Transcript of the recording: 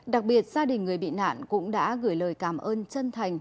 đặc biệt gia đình người bị nạn cũng đã gửi lời cảm ơn chân thành